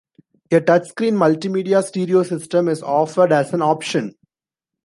A touchscreen multimedia stereo system is offered as an option.